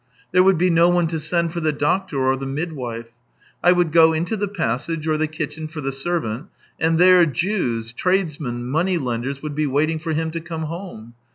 There would be no one to send for the doctor or the midwife. I would go into the passage or the kitchen for the servant, and there Jews, tradesmen, moneylenders, would be waiting for him to come home.